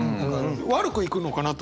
悪くいくのかなと。